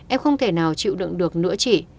em không thể nào chịu đựng được nữa chị